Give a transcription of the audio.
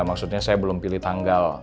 maksudnya saya belum pilih tanggal